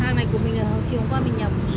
hàng này của mình là hầu chiều hôm qua mình nhập